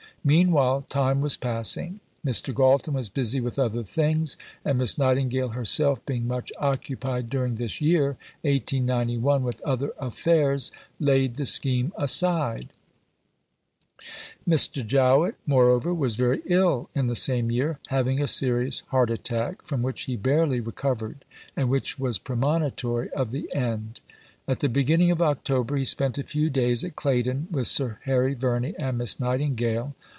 Meanwhile time was passing; Mr. Galton was busy with other things, and Miss Nightingale herself, being much occupied during this year (1891) with other affairs, laid the scheme aside. See Vol. I. p. 435. In a letter of 1891 to Mr. Jowett. Mr. Jowett, moreover, was very ill in the same year having a serious heart attack, from which he barely recovered and which was premonitory of the end. At the beginning of October he spent a few days at Claydon with Sir Harry Verney and Miss Nightingale.